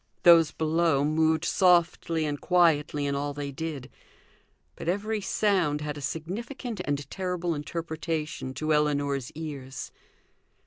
Those below moved softly and quietly in all they did; but every sound had a significant and terrible interpretation to Ellinor's ears.